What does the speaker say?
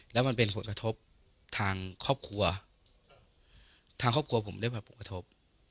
แล้วมันเป็นผลกระทบทางครอบครัวทางครอบครัวผมได้รับผลกระทบ